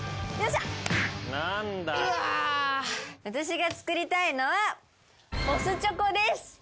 私が作りたいのは押忍チョコです。